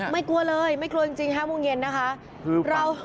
กลัวเลยไม่กลัวจริง๕โมงเย็นนะคะ